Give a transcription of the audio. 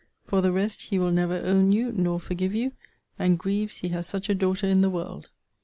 For the rest, he will never own you, nor forgive you; and grieves he has such a daughter in the world.'